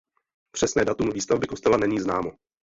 Přesné datum výstavby kostela není známo.